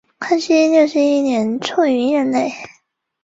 康廷葡萄园和多尔多涅河两条河流的汇合区。